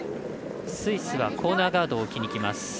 スイスはコーナーガードを置きにいきます。